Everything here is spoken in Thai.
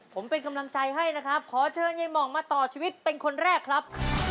ผมเป็นกำลังใจให้นะครับขอเชิญยายหม่องมาต่อชีวิตเป็นคนแรกครับ